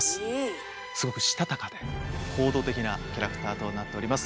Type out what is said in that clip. すごくしたたかで行動的なキャラクターとなっております。